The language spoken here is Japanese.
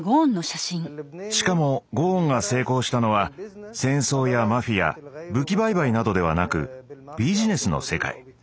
しかもゴーンが成功したのは戦争やマフィア武器売買などではなくビジネスの世界。